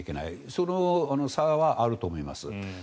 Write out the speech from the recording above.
その差はあると思います。